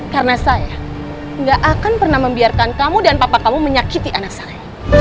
karena saya nggak akan pernah membiarkan kamu dan papa kamu menyakiti anak saya